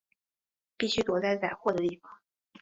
必须躲在载货的地方